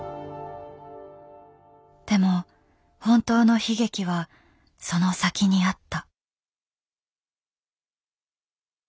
でも本当の悲劇はその先にあった。